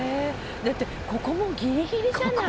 だってここもギリギリじゃない？